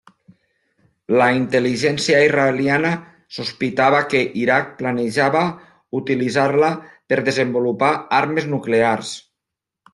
La intel·ligència israeliana sospitava que Iraq planejava utilitzar-la per desenvolupar armes nuclears.